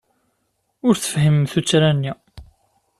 Ur tefhimem tuttra-nni.